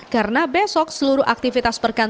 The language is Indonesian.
karena besok seluruh aktivitas perkembangan